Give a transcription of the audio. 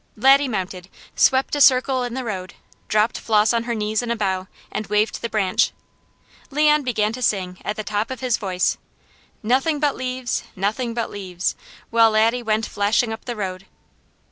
Laddie mounted, swept a circle in the road, dropped Flos on her knees in a bow, and waved the branch. Leon began to sing at the top of his voice, "Nothing but leaves, nothing but leaves," while Laddie went flashing up the road.